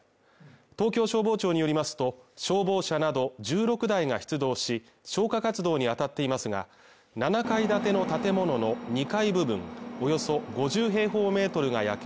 東京消防庁によりますと消防車など１６台が出動し消火活動にあたっていますが７階建ての建物の２階部分およそ５０平方メートルが焼け